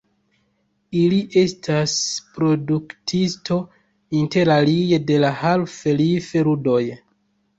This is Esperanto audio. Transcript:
Ili estas produktisto interalie de la Half-Life-ludoj.